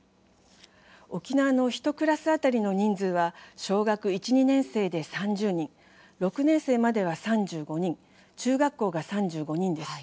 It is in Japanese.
沖縄の１クラス当たりの人数は小学１、２年生で３０人６年生までは３５人中学校が３５人です。